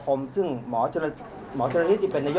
ขอบคุณพี่ด้วยนะครับ